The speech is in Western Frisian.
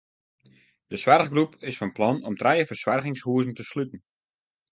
De soarchgroep is fan plan om trije fersoargingshuzen te sluten.